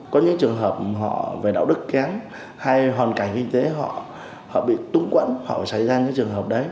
có những trường hợp họ về đạo đức kén hay hoàn cảnh kinh tế họ bị tung quẫn họ xảy ra những trường hợp đấy